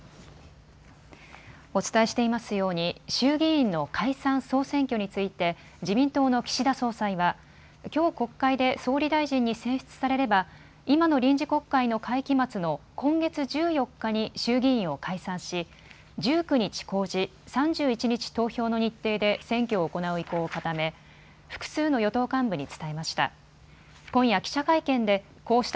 お伝えしていますように衆議院の解散総選挙について自民党の岸田総裁はきょう国会で総理大臣に選出されれば今の臨時国会の会期末の今月１４日に衆議院を解散し１９日公示、３１日投票の日程で選挙を行う意向を固め複数の与党幹部に伝えました。